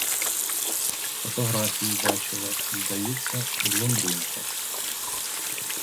Фотографію бачила, здається — блондинка.